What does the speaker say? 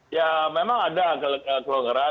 ya memang ada kelonggaran